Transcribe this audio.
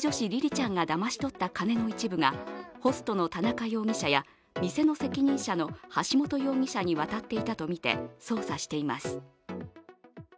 ちゃんがだましとった金の一部がホストの田中容疑者や店の責任者の橋本容疑者に渡っていたとみて捜査しています